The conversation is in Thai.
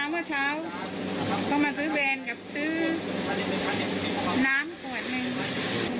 มาเมื่อเช้าเขามาซื้อแบรนด์กับซื้อน้ำกว่าอะไรอย่างนี้